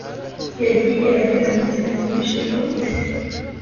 Yagiye agira amatsiko menshi ku isi